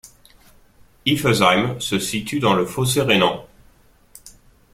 Iffezheim se situe dans le Fossé rhénan.